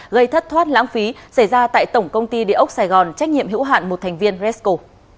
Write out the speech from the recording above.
gây thất thoát lãng phí xảy ra tại tổng công ty địa ốc sài gòn trách nhiệm hữu hạn một thành viên resco